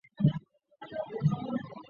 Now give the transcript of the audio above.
这边安全了